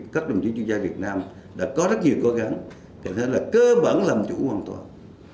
các đồng chí chuyên gia việt nam đã có rất nhiều cố gắng cảm thấy là cơ bản làm chủ hoàn toàn